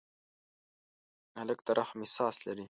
هلک د رحم احساس لري.